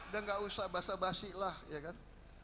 dan gak usah basah basih lah ya kan